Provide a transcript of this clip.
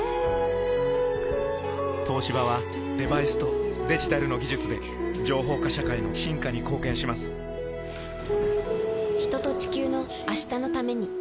東芝はデバイスとデジタルの技術で情報化社会の進化に貢献します人と、地球の、明日のために。